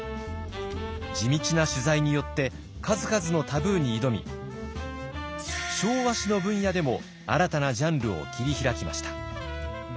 地道な取材によって数々のタブーに挑み昭和史の分野でも新たなジャンルを切り開きました。